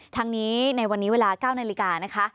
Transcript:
ทั้งนี้ในวันนี้เวลา๙นาฬิกานะคะ